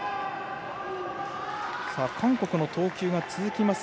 韓国の投球が続きます。